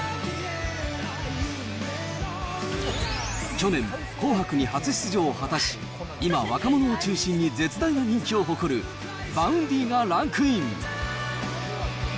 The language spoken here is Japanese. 去年、紅白に初出場を果たし、今、若者を中心に絶大な人気を誇るバウンディがランクイン。